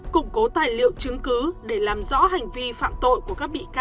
củng cố tài liệu chứng cứ để làm rõ hành vi phạm tội của các bị can